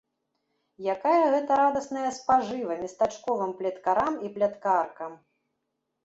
Якая гэта радасная спажыва местачковым плеткарам і пляткаркам!